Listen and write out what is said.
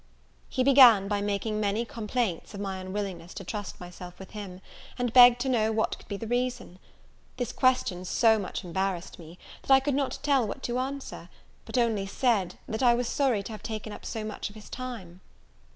He began by making many complaints of my unwillingness to trust myself with him, and begged to know what could be the reason? This question so much embarrassed me, that I could not tell what to answer; but only said, that I was sorry to have taken up so much of his time.